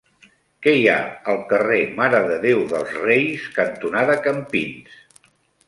Què hi ha al carrer Mare de Déu dels Reis cantonada Campins?